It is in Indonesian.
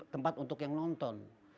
tempat untuk yang nonton